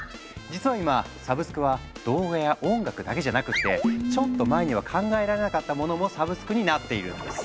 実は今サブスクは動画や音楽だけじゃなくってちょっと前には考えられなかったものもサブスクになっているんです。